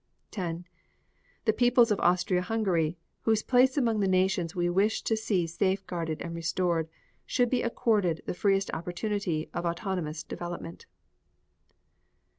10. The peoples of Austria Hungary, whose place among the nations we wish to see safeguarded and restored, should be accorded the freest opportunity of autonomous development.